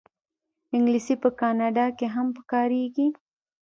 انګلیسي په کاناډا کې هم کارېږي